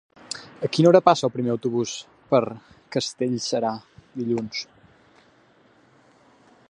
A quina hora passa el primer autobús per Castellserà dilluns?